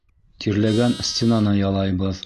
Тирләгән стенаны ялайбыҙ.